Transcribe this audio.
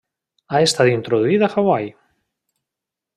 Ha estat introduït a Hawaii.